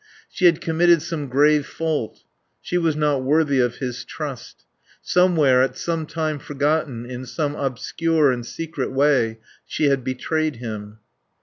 She had committed some grave fault. She was not worthy of his trust. Somewhere, at some time forgotten, in some obscure and secret way, she had betrayed him.